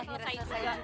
akhirnya selesai juga